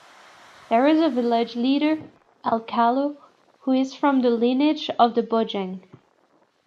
There is a village leader, "AlKalo" who is from the lineage of the Bojang.